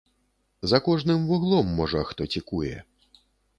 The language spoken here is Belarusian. За кожным вуглом, можа, хто цікуе.